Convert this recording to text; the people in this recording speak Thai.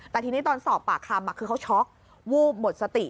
แต่ทีนี้ตอนสอบปากคำคือเขาช็อกวูบหมดสติ